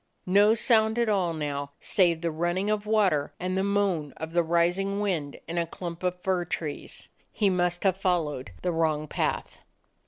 No sound at all now, save the running of water and the moan of the rising wind in a clump of fir trees. He must have followed the wrong path.